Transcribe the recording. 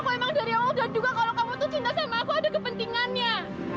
aku emang dari awal dan juga kalau kamu tuh cinta sama aku ada kepentingannya